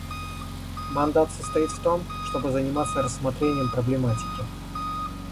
Мандат состоит в том, чтобы заниматься рассмотрением проблематики.